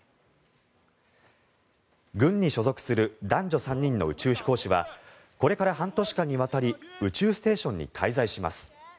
軍に所属する男女３人の宇宙飛行士はこれから半年間にわたり宇宙ステーションに滞在します。